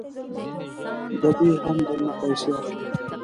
ددې هم درنه پیسې اخلي.